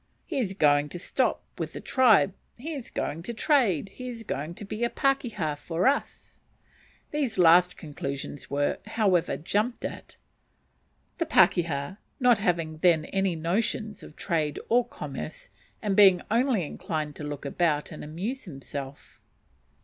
"He is going to stop with the tribe, he is going to trade, he is going to be a pakeha for us." These last conclusions were, however, jumped at; the "pakeha" not having then any notions of trade or commerce, and being only inclined to look about and amuse himself.